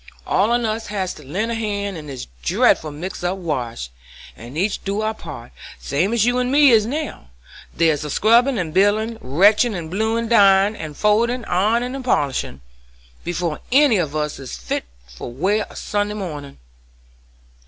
All on us has to lend a hand in this dreadful mixed up wash, and each do our part, same as you and me is now. There's scrubbin' and bilin', wrenchin' and bluein', dryin' and foldin', ironin' and polishin', before any of us is fit for wear a Sunday mornin'."